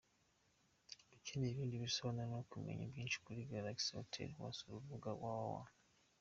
Ukeneye ibindi bisobanuro no kumenya byinshi kuri Galaxy Hotel wasura urubuga www.